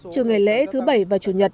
trường ngày lễ thứ bảy và chủ nhật